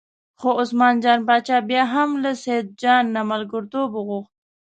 خو عثمان جان باچا بیا هم له سیدجان نه ملګرتوب وغوښت.